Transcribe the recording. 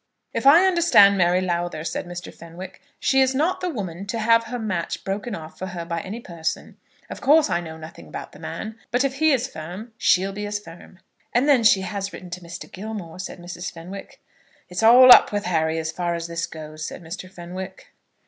"If I understand Mary Lowther," said Mr. Fenwick, "she is not the woman to have her match broken off for her by any person. Of course I know nothing about the man; but if he is firm, she'll be as firm." "And then she has written to Mr. Gilmore," said Mrs. Fenwick. "It's all up with Harry as far as this goes," said Mr. Fenwick.